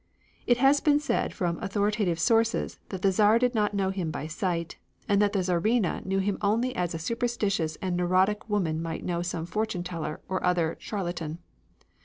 It has been said from authoritative sources that the Czar did not know him by sight, and that the Czarina knew him only as a superstitious and neurotic woman might know some fortune teller or other charlatan.